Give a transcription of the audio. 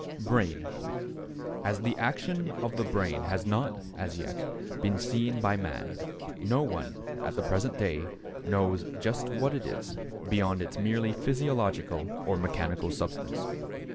=Brain.= As the action of the brain has not, as yet, been seen by man, no one, at the present day, knows just what it is, beyond its merely physiological or mechanical substance.